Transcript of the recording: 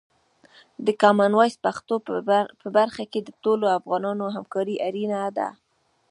د کامن وایس پښتو په برخه کې د ټولو افغانانو همکاري اړینه ده.